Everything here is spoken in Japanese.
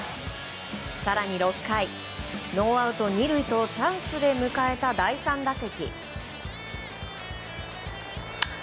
更に６回、ノーアウト２塁とチャンスで迎えた第３打席。